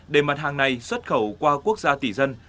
để mặt hàng này xuất khẩu qua quốc gia tỷ dân